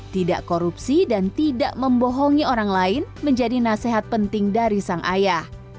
tidak korupsi dan tidak membohongi orang lain menjadi nasihat penting dari sang ayah